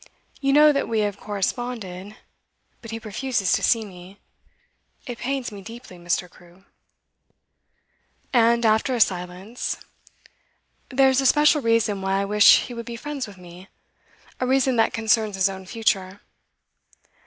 You know that we have corresponded, but he refuses to see me. It pains me deeply, Mr Crewe.' And, after a silence: 'There's a special reason why I wish he would be friends with me, a reason that concerns his own future.